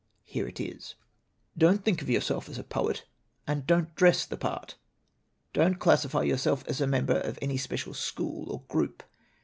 Here it is: "Don't think of yourself as a poet, and don't dress the part. "Don't classify yourself as a member of any special school or group.